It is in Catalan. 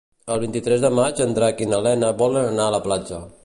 El vint-i-tres de maig en Drac i na Lena volen anar a la platja.